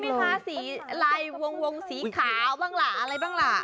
ไหมคะสีลายวงสีขาวบ้างล่ะอะไรบ้างล่ะ